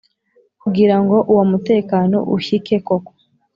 kugira ngo uwo mutekano ushyike koko,